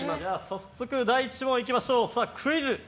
早速、第１問いきましょう。